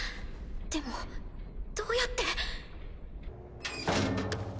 でもどうやって。